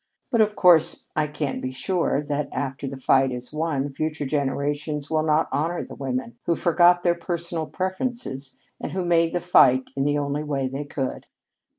But, of course, I can't be sure that, after the fight is won, future generations will not honor the women who forgot their personal preferences and who made the fight in the only way they could."